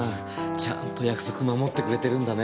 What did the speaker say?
ちゃんと約束守ってくれてるんだね。